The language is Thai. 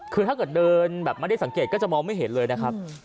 คือถ้าเกิดเดินแบบไม่ได้สังเกตก็จะมองไม่เห็นเลยนะครับ